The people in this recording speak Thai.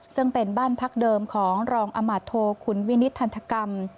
ซึ่งเป็นบ้านพักเดิมของรองอำมาตโธคุณวินิทรธรรม